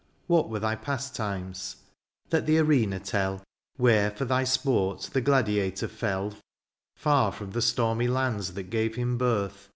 What were thy pastimes ? Let the arena tell ; Where, for thy sport, the gladiator feU. Far from the stormy lands that gave him birth.